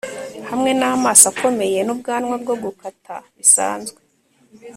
Hamwe namaso akomeye nubwanwa bwo gukata bisanzwe